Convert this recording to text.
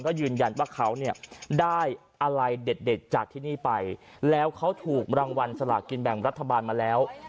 ก็ยืนยันว่าเขาเนี่ยได้อะไรเด็ดจากที่นี่ไปแล้วเขาถูกรางวัลสลากินแบ่งรัฐบาลมาแล้ว